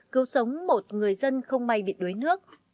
cứu sống một người dân không may bị đuối nước